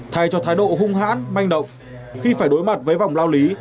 thay cho thái độ hung hãn manh động khi phải đối mặt với vòng lao lý